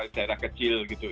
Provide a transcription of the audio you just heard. daerah kecil gitu